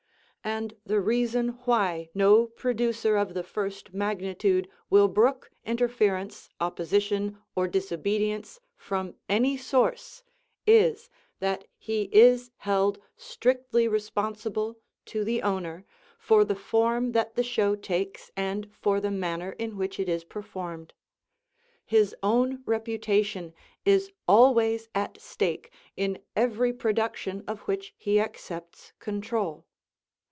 And the reason why no producer of the first magnitude will brook interference, opposition or disobedience from any source is, that he is held strictly responsible to the owner for the form that the show takes and for the manner in which it is performed. His own reputation is always at stake in every production of which he accepts control.